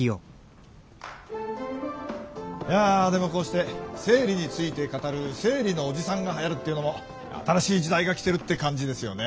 いやでもこうして生理について語る生理のおじさんがはやるっていうのも新しい時代が来てるって感じですよね。